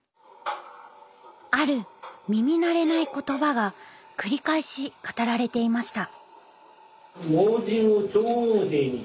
ある耳慣れない言葉が繰り返し語られていました。